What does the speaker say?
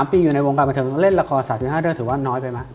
ปีอยู่ในวงการบันเทิงเล่นละคร๓๕เรื่องถือว่าน้อยไปไหม